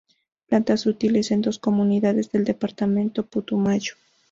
Plantas útiles en dos comunidades del departamento de Putumayo.